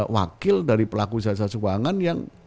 wakil dari pelaku sejasa keuangan yang